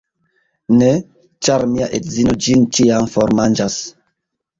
Ne, ĉar mia edzino ĝin ĉiam formanĝas.